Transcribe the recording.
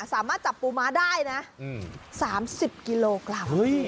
สามารถจับปูม้าได้นะ๓๐กิโลกรัม